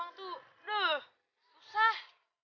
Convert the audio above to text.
ternyata nyari uang tuh duh usah